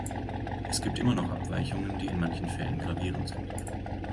Es gibt immer noch Abweichungen, die in manchen Fällen gravierend sind.